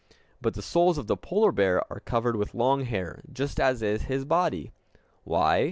But the soles of the polar bear are covered with long hair, just as is his body. Why?